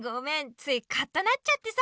ついカッとなっちゃってさ。